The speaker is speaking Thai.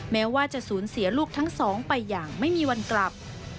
แม้ว่าจะสูญเสียลูกทั้งสองไปอย่างไม่มีวันกลับ